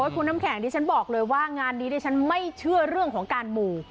คุณน้ำแข็งดิฉันบอกเลยว่างานนี้ดิฉันไม่เชื่อเรื่องของการหมู่